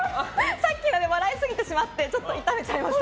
さっきまで笑いすぎてしまってちょっと痛めちゃいました。